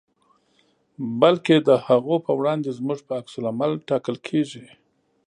بلکې د هغو په وړاندې زموږ په عکس العمل ټاکل کېږي.